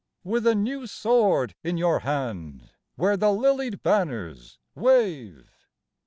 With a new sword in your hand Where the lilied banners wave.